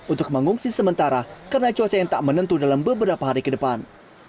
untuk mengungsi sementara karena cuaca yang tak menentu dalam beberapa hari ke depan